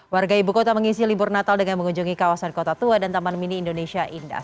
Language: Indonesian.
warga ibu kota mengisi libur natal dengan mengunjungi kawasan kota tua dan taman mini indonesia indah